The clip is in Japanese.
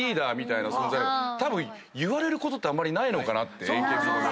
たぶん言われることってあまりないのかなって。